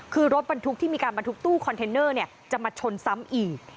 คือรถบรรทุกที่มีการบรรทุกตู้คอนเทนเนอร์จะมาชนซ้ำอีก